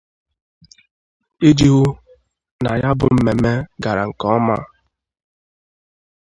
iji hụ na ya bụ mmemme gara nke ọma